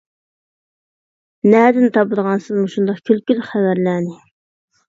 نەدىن تاپىدىغانسىز مۇشۇنداق كۈلكىلىك خەۋەرلەرنى؟